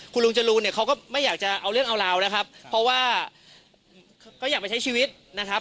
คุณลุงจรูนเนี่ยเขาก็ไม่อยากจะเอาเรื่องเอาราวนะครับเพราะว่าก็อยากไปใช้ชีวิตนะครับ